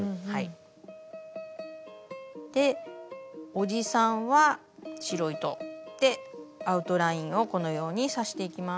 おじさんは白糸でアウトラインをこのように刺していきます。